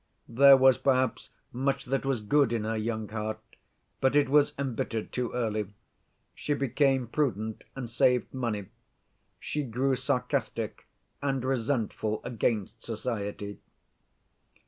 There was perhaps much that was good in her young heart, but it was embittered too early. She became prudent and saved money. She grew sarcastic and resentful against society.